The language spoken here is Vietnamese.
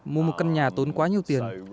mua một căn nhà tốn quá nhiều tiền